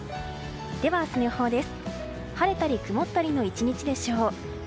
では、明日の予報です。